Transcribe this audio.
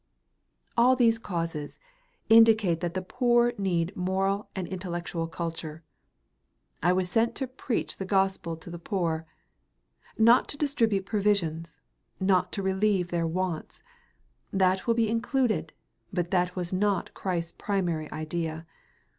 All these causes indicate that the poor need moral and intellectual culture. "I was sent to preach the gospel to the poor:" not to distribute provisions, not to relieve their wants; that will be included, but that was not Christ's primary idea.